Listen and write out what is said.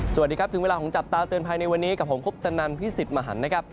สวัสดีครับถึงเวลาของจับตาเตือนภัยในวันนี้กับผมคุปตนันพี่สิทธิ์มหันนะครับ